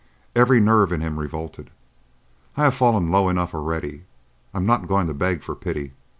Every nerve in him revolted. "I have fallen low enough already. I'm not going to beg for pity.